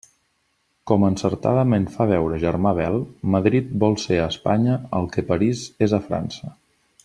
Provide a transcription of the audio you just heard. Com encertadament fa veure Germà Bel, Madrid vol ser a Espanya el que París és a França.